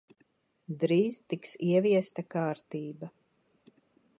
Drīz tiks ieviesta kārtība.